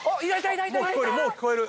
・もう聞こえる！